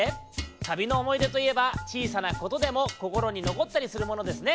旅のおもいでといえばちいさなことでもこころにのこったりするものですね。